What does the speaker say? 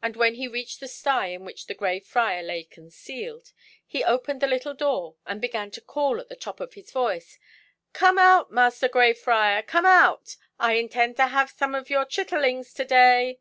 And when he reached the sty in which the Grey Friar lay concealed, he opened the little door and began to call at the top of his voice "Come out, Master Grey Friar, come out! I intend to have some of your chitterlings to day."